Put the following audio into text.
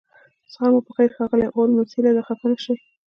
سهار مو پخیر ښاغلی هولمز هیله ده خفه نشئ